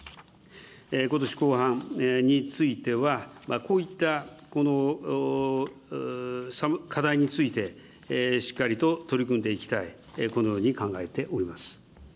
ことし後半については、こういった課題について、しっかりと取り組んでいきたい、このように考えております。